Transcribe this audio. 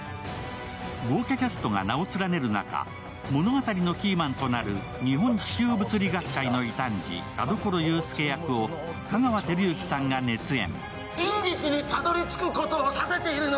豪華キャストが名を連ねる中、物語のキーマンとなる日本地球物理学界の異端児、田所雄介が香川照之さんが熱演。